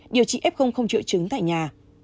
điều trị f không trựa chứng tại nhà